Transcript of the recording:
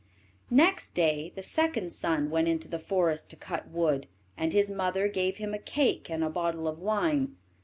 Next day the second son went into the forest to cut wood, and his mother gave him a cake and a bottle of wine.